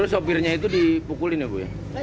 sopirnya itu dipukulin ya bu